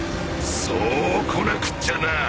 そうこなくっちゃなぁ！